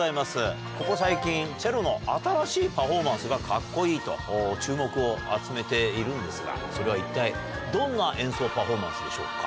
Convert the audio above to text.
ここ最近チェロの新しいパフォーマンスがカッコいいと注目を集めているんですがそれは一体どんな演奏パフォーマンスでしょうか？